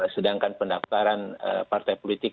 sedangkan pendaftaran partai politik